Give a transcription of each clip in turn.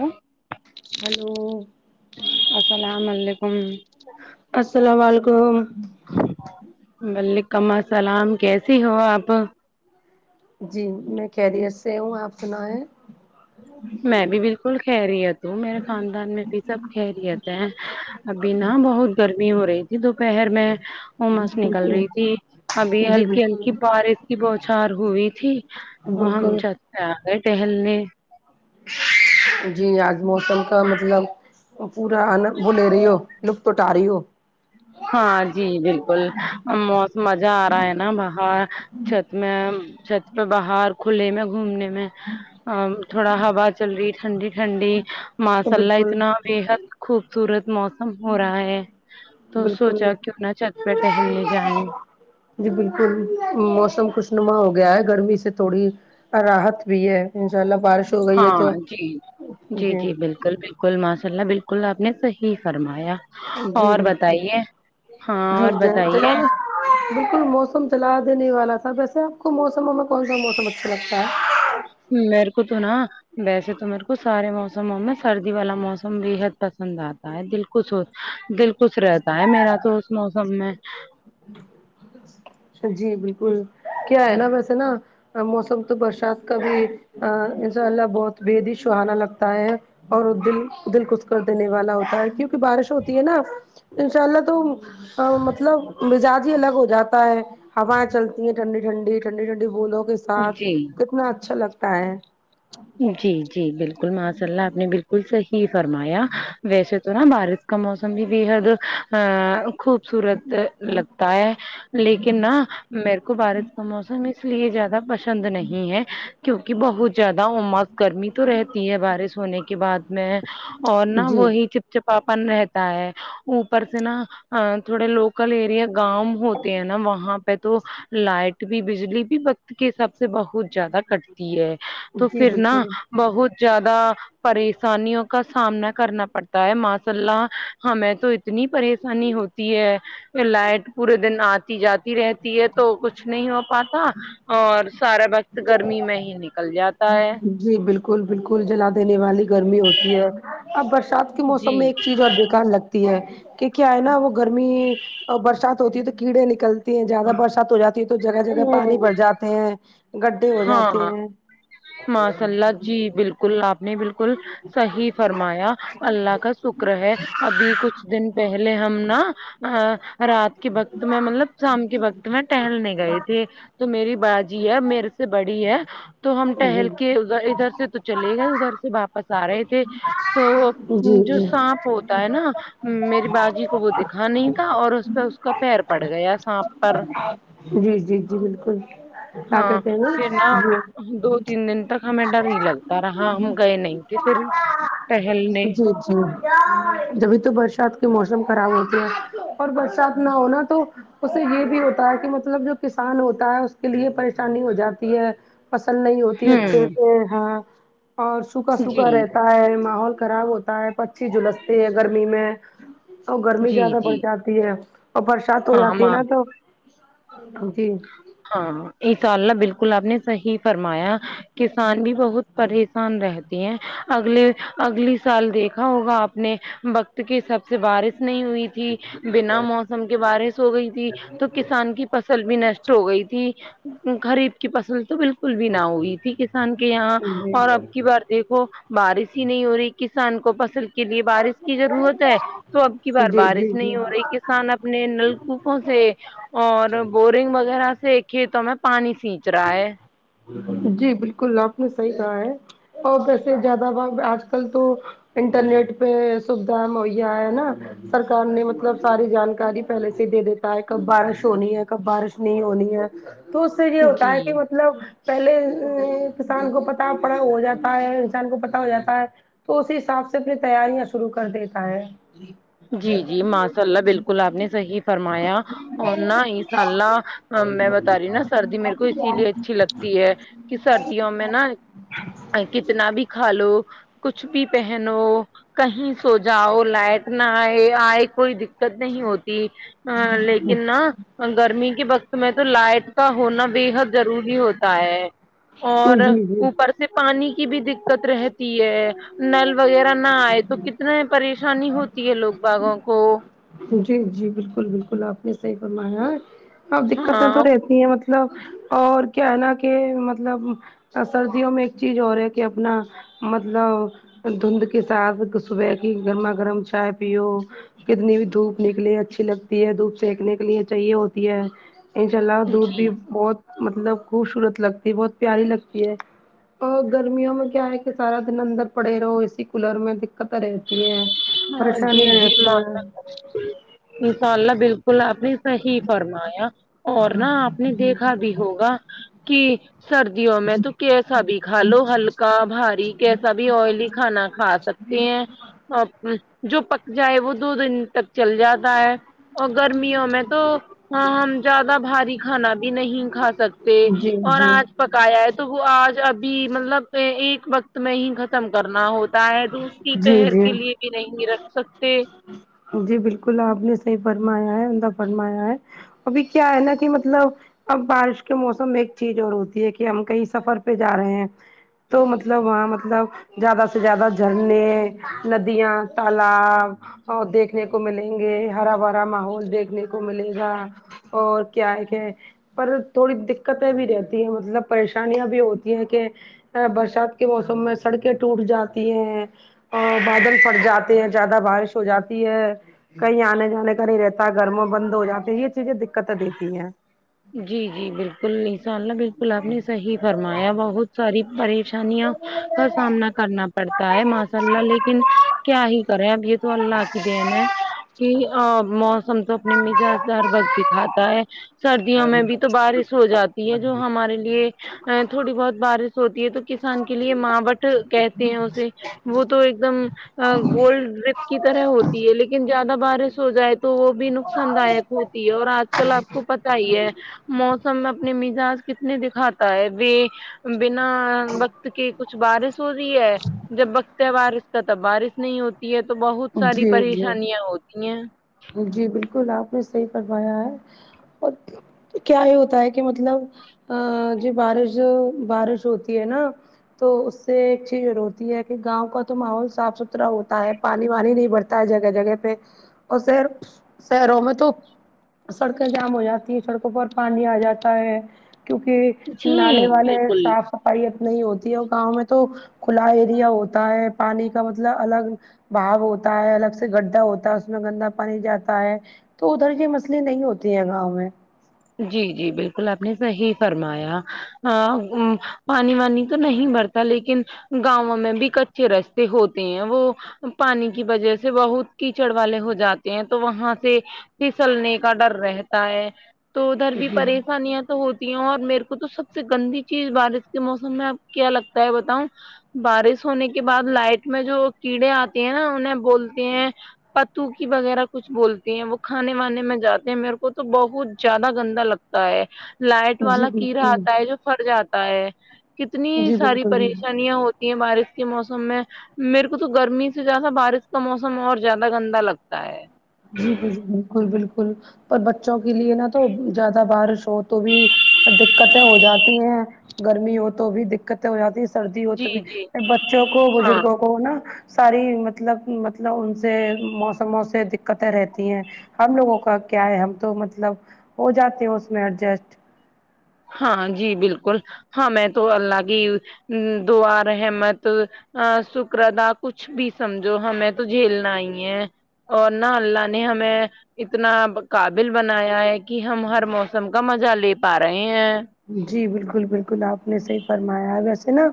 ہوں ہلو اسلام علیکم اسلام علیکم ولیکم السلام کیسی ہو آپ جی میں خیریت سے ہوں آپ سنائیں میں بھی بالکل خیریت ہوں میرے خاندان میں بھی سب خیریت ہیں ابھی نا بہت گرمی ہو رہی تھی دوپہر میں امس نکل رہی تھی ابھی جی ہلکی بالکل ہلکی بارش کی بوچھار ہوئی تھی آ ہم بالکل چھت پے اگئے ٹہلنے جی آج موسم کا مطلب پورا [unintelligible] لے رہے ہو لطف اٹا رہے ہو ہاں جی بالکل موسم مزہ آ رہا ہے نا باہر چھت میں چھت پے باہر کھلے میں گھومنے تھوڑا ہوا چل رہی ہے ٹھنڈی ٹھنڈی تو ماشاء اللہ بالکل اتنا بےحد خوبصورت موسم ہو رہا ہے تو بالکل سوچہ کیوں نا چھت پے ٹہلنے جائے جی بالکل موسم خوش نما ہو گیا ہے گرمی سے تھوڑی راحت بھی ہے ان شاء اللہ بارش ہو گئی ہے ہاں تو جی جی جی بالکل بالکل بالکل ماشاء اللہ بالکل آپ نے صحیح فرمایا جی اور بالکل بتائیے ہاں جی اور ج بتائیے جناب بالکل موسم چلا دینے والا تھا ویسے آپ کو موسموں میں کون سا موسم اچھا لگتا ہے میرے کو تو نا ویسے تو میرے کو سارے موسموں میں سردی والا موسم بے حد پسند اتا ہے دل خوش دل خوش رہتا ہے میرا تو اس موسم میں ہے جی بالکل کیا ہے نا ویسے نا موسم تو برسات کا بھی ان شاء اللہ بہت بے حدی سہانا لگتا ہے اور دل دل خس کر دینے والا ہوتا ہے کیونکی بارش ہوتی ہے نا انشاء اللہ تو مطلب مزاج ہی الگ ہو جاتا تا ہے ہوائیں چلتی ہیں ٹھنڈی ٹھنڈی ٹھنڈی ٹھنڈی ہولو ساتھ جی کتنا اچھا لگتا ہے جی جی بالکل ماشاء اللہ آپ نے بالکل صحیح فرمایا ویسے تو تو نا بارش کا موسم بھی بے حد آ خوب صورت لگتا ہے لیکن نا میرے کو بارش کا موسم اس لیے زیادہ پسند نہیں ہے کیونکی بہت زیادہ اماک گرمی تو رہتی ہے بارش ہونے کے بعد میں اور نہ جی وہی چپا پن رہتا ہے اوپر سے نا آ تھوڑے لوگ لوکل ایریا گاؤں ہوتے ہیں نا وہاں تو لائٹ بھی بجلی بھی وقت کے حساب سے بہت زیادہ کٹتی ہے تو جی پھر نا بالکل بہت زیادہ پریشانیوں کا سامنا کرنا پڑتا ہے ماشاء اللہ ہمیں تو اتنی پریشانی ہوتی تی ہے لائٹ پورے دن اتی جاتی رہتی ہے تو کچھ نہیں ہو پاتا اور سارا وقت گرمی میں ہی نکل جا جی بالکل بالکل جلا دینے والی گرمی ہوتی ہے اب برسات کے موسم جی میں ایک چیز اور بے کار لگتی ہے کہ کیا ہے نا وہ گرمی اور برسات ہوتی ہے تو کیڑے نکلتی ہیں زیادہ برسات ہو جاتی ہے تو جگہ جگہ پانی بھر جاتے ہیں گڈھے ہو جاتے ہیں ماشا للہ جی بالکل اپ نے بالکل صحیح فرمایا اللہ کا شکر ہے ابھی کچھ دن پہلے ہم نا ا رات کے وقت میں مطلب شام کے وقت میں ٹہلنے گئے تھے تو میری باجی ہے میرے سے بڑی ہے تو ہم ٹہل کے ادھر ادھر سے تو چلے گئے ادھر سے واپس ارہے تھے تو وہ جی جو جی سانپ ہوتا ہے نا میری باجی کو وہ د یکھا نہیں تھا اور اس پہ اس کا پیر پڑ گیا سانپ پر جی جی جی بالکل کیا ہاں کہتے ہے نا پھر دو ج تین دن تک ہمیں ڈر نہیں لگتا رہا ہم گئے نہیں تھے پھر ٹہلنے جب بھی تو برسات کے موسم خراب ہوتا اور برسات نہ ہونا تو اس سے یہ بھی ہوتا ہے کہ مطلب جو کسان ہوتا ہے اس کے لیے پریشانی ہو جاتی ہے پسند نہیں ہوتی اچھے ہوں سے ہاں اور سوکھا جی سوکھا رہتا ہے ماحول خراب ہو پچی جلستے ہے گرمی میں اور گرمی جی زیادہ بڑھ جی جاتی ہے اور سات ہو ہاں ہم جاتی ہے نا تو جی ہاں یہ انسا ء اللہ بالکل آپ نے صحیح فرمایا کسان بھی بہت پریشان رہ تی ہیں اگلے اگلی سال دیکھا ہوگا آپ نے وقت کے حساب سے بارش نہیں ہوئی تھی بنا موسم کے بارش ہو گئی تھی تو کسان کی فصل بھی نشٹ ہو گئی تھی غریب کی فصل تو بالکل کل بھی نہ ہوئی تھی کسان کے یہاں جی اور اب کی بار دیکھو بارش ہی نہیں ہو رہی کسان کو فصل کے لیے بارش کی ضرورت ہے تو اب کی بار جی بارش جی نہیں ہو رہی کسان اپنے نلکوفوں سے جی اور بہت رنگ وغیرہ سے کھیتوں میں پانی سیننچ رہا ہے جی بالکل آپ نے صحیح کہا ہے اور ویسے زیادہ باگ آج کل تو انٹرنیٹ پہ سویدھا مہیا ہے نا سرکار نے مطلب ساری جانکاری پہلے سے ہی دے دیتا ہے کب بارش ہونی ہے کب بارش نہیں ہونی ہے تو اس سے کیا جی مطلب پہلے کسان کو پتا پڑا ہو جاتا ہے انسان کو پتا ہو جاتا ہے تو اسی حساب سے اپنی تیاریاں شروع کر دیتا ہے جی جی ماشاء اللہ بالکل آپ نے صحیح فرمایا اور نا انشاء اللہ میں بتا رہی نا سردی میرے کو اسی لیے اچھی لگتی ہے کہ سردیوں میں نا کتنا بھی کھا لو کچھ بھی پہنو کہیں سو جاؤ لائٹ نہ آئے آئے کوئی دق ت نہیں ہوتی اں لیکن نا گرمی کے وقت میں تو لائٹ کا ہونا بے حد ضروری ہوتا ہے اور جی جی اوپر سے پانی کی بھی دق ت رہتی ہے نل وغیرہ نہ آئے تو کتنے پریشانی ہو تی ہے لوگ باغوں کو جی جی بالکل بالکل آپ نے صحیح فرمایا ہے اب دقتیں ہاں تو رہ یہ مطلب اور کیا ہے نا کہ مطلب سردیوں میں ایک چیز اور ہے کہ اپنا مطلب دھند کے ساتھ صبح کی گرما گرم چائے پیو کتنی بھی دھوپ نکلیے اچھی لگتی ہے دھوپ سینکنے کے لیے چاہیے ہوتی ہے ان شاء اللہ دودھ بھی جی بہت مطلب خوبصورت لگتی ہے بہت پیاری لگتی ہے اور گرمیوں میں کیا ہے کہ سارا دن اندر پڑے رہو اے سی کولر میں د قت رہتی ہے ہاں جی پریشانیاں جی رہتی ہیں ماشاء انشاء اللہ بال کل آپ نے صحیح فرمایا اور نہا آپ نے دیکھا بھی ہوگا کہ سردیوں میں تو کیسا بھی کھا لو ہلکا بھاری کیسا بھی آئلی کھانا کھا سک تے ہیں جو پک جائے وہ دو دن تک چل جاتا ہے اور گرمیوں میں تو ہاں ہم زیادہ بھاری کھانا بھی نہیں کھا سکتے جی اور جی آج پکایا ہے تو وہ آج ابھی مطلب ایک وقت میں ہی ختم کرنا ہوتا اتنا ہے دوسری جی پہر جی کے لیے بھی نہیں رکھ سکتے جی بالکل آپ نے صحیح فرمایا ہے عمدہ فرمایا ہے ابھی کیا ہے نا کہ مطلب اب بارش کے موسم ایک چیز اور ہوتی ہے کہ ہم کہیں سفر پہ جا رہے ہیں تو مطلب وہ مطلب زیادہ سے زیادہ جھرنے ندیاں تالاب اور دیکھنے کو ملیں گے ہرا بھرا ماحول دیکھنے کو ملے گا اور کیا کہ پر تھوڑی دقتیں بھی رہتی ہیں مطلب پریشانیاں بھی ہوتی ہیں کہ برسات کے موسم میں سڑکیں ٹوٹ جاتی ہیں اور بادل پھٹ جاتے ہیں زیادہ بارش ہو جاتی ہے کہیں آنے جانے کا نہیں رہتا گرما بند ہو جاتی یہ چیزیں دقتیں دیتی ہیں جی جی بالکل ان شاء اللہ بالکل آپ نے صحیح فرمایا بہت ساری پریش انیاں کا سامنا کرنا پڑتا ہے ماشاء اللہ لی کن کیا ہی کرے اب یہ تو اللہ کی دین ہے کہ موسم تو اپنے مزاج دار وقت دکھاتا ہے سردیوں میں بھی تو بارش ہو جاتی ہے جو ہمارے لیے ا تھوڑی بہت بارش ہوتی ہے تو کسان کے لیے ماں بٹ کہتے ہیں اسے وہ تو ایک دم گولڈ ڈپ کی طرح ہوتی ہے لیکن زیادہ بارش ہو جائے تو وہ بھی نقصان دایک ہو تی ہے اور آج کل آپ کو پ چیے موسم میں اپنے مزاج کتنے دکھاتا ہے ب بنا وقت کے کچھ بارش ہو رہی ہے جب بکت بارش کا تب بارش نہیں ہوتی ہے تو بہت ساری جی جی پریشانیاں ہوتی ہیں جی بالکل آپ نے صحیح فرمایا ہے اور کیا یہ ہوتا ہے کہ مطلب ا ج بارش بارش ہوتی ہے نا تو اس سے ایک چیز ہوتی ہے کہ گاؤں کا تو ماحول صاف ستھرا ہوتا ہے پا نی وانی نہیں بڑتا ہے جگہ جگہ پہ اور ش شہروں میں تو سڑکیں جام ہو جاتی ہیں سڑکوں پر پانی آ جاتا ہے کیونکہ نالے جی والے بالکل صاف صفائی اتنی ہوتی ہے گاؤں میں تو کھلا ایریا ہوتا ہے پانی کا مطلب الگ بھاؤ ہوتا ہے الگ سے گڈھا ہوتا ہے اس میں گندا پانی جاتا ہے تو ادھر کے مسئلے نہیں ہوتے ہیں گاؤں میں جی جی بالکل آپ نے صحیح فرمایا ہاں وہ پانی وانی تو نہیں بھرتا لیکن گاؤوں میں بھی کچھے رستے ہوتے ہیں وہ پانی کی وجہ سے بہت کیچڑ والے ہو جاتے ہیں تو وہاں سے پھسلنے کا ڈر رہتا ہے تو ادھر بھی جی پریشانیاں ہوتی ہے اور میرے کو تو سب سے گندی چیز بارش کے موسم میں آپ کیا لگتا ہے بتاؤں بارش ہونے کے بعد لائٹ میں جو کیڑے آتے ہیں نا انہیں بولتے ہیں پتوکی وغیرہ کچھ بولتی ہیں وہ کھانے وانے میں جاتے ہیں میرے کو تو بہت زیادہ گندا لگتا ہے لائٹ جی والا کیڑا بالکل آتا ہے جو پھٹ جاتا ہے کتنی جی ساری بالکل بالکل پریشانیاں ہوتی ہیں بارش کے موسم میں میرے کو تو گرمی سے زیادہ بارش کا موسم اور زیادہ گندا لگتا ہے جی باجی بالکل بالکل پر بچوں کے لیے نا تو زیادہ بارش ہو تو بھی دقتیں ہو جاتی ہیں گرمی ہو تو بھی دقتیں ہو جاتی سردی ہو تو بھی جی جی بچوں کو ہاں بزرگوں وہ نا ساری مطلب مطلب ان سے موسموں سے د قتیں رہتی ہیں ہم لوگوں کا کیا ہے ہم تو مطلب ہو جاتے ہیں اس میں ایڈجسٹ ہاں جی بالکل ہاں میں تو اللہ کی دعا رحمت ا شکر ادا کچھ بھی سمجھو ہمیں تو جھیلنا ہی ہے اور نہ اللہ نے ہمیں اتنا قابل بنایا ہے کہ ہم ہر موسم کا مزہ لے پا رہے ہیں جی بالکل بالکل آپ نے صحیح فرمایا ہے ویسے نا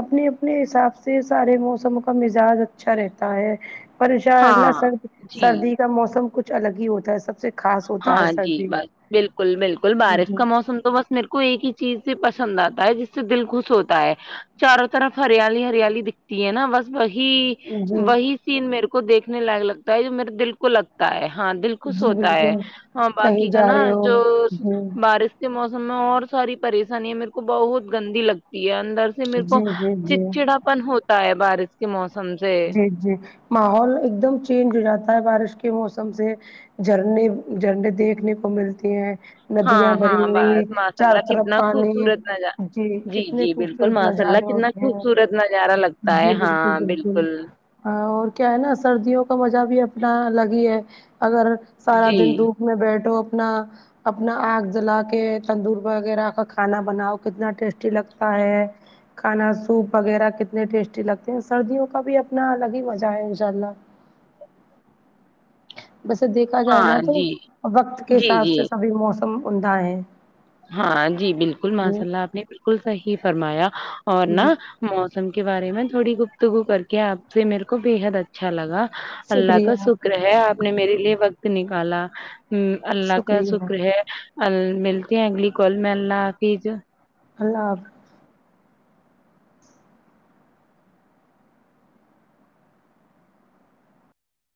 اپنے اپنے حساب سے سارے موسم کا مزاج اچھا رہتا ہے پر ان شاء ہاں اللہ سرد جی سردی کا موسم کچھ الگ ہی ہوتا ہے سب سے خاص ہوتا ہے ہاں جی سردی با بالکل بالکل بارش جی کا موسم تو بس میرے کو ایک ہی چیز سے پسند آتا ہے جس سے دل خوش ہوتا ہے چاروں طرف ہریالی ہریالی دکھتی ہے نا بس وہی جی وہی سین میرے کو دیکھنے لائق لگتا ہے جو میرے دل کو لگ تا ہے ہاں دل خوش جی ہوتا ہے بالکل اور کہیں باقی کا جا نا رہے جو ہو با جی بارش کے موسم میں اور ساری پریشانی ہے میرے کو بہت گندی لگتی ہے اندر اس سے میرے کو جی جی جی چڑچڑاپن ہوتا ہے بارش کے موسم سے جی جی ماحول ایک دم چینج ہو جاتا ہے بارش کے موسم سے جھرنے جھرنے دیکھنے کو ملتی ہیں ندیاں ہاں ہاں بھری ہوئی بس ماشاء اللہ چاروں طرف کتنا پانی خوبصورت نظارہ جی کتنے جی بالکل خوبصورت ماشاء اللہ نظارے کتنا ہیں خوبصورت نظارہ لگتا ہے ہاں بالکل ہاں اور کیا ہے نا سردیوں کا مزہ بھی اپنا الگ ہی ہے اگر سارا جی دن دھوپ میں بیٹھو اپنا اپنا آگ جلا کے تندور وغیرہ کا کھانا بناؤ کتنا ٹیسٹی لگتا ہے کھانا سوپ وغیرہ کتنے ٹیسٹی لگتے ہیں سردیوں کا بھی اب نہ الگ ہی مزہ ہے انشاء اللہ ویسے دیکھا جائے ہاں نا تو جی وقت کے جی حساب جی سے سبھی موسم عمدہ ہے ہاں جی بالکل ماشاء اللہ آپ نے بالکل صحیح فرمایا اور نا جی موسم کے بارے میں تھوڑی گفتگو کر کے آپ سے میرے کو بےحد ا چھا لگا اللہ کا شکریہ شکر ہے آپ نے میرے لیے وقت نکالا ہوں اللہ کا شکریہ شکر ہے ال ملتے ہیں اگلی کال میں اللہ حافظ اللہ حافظ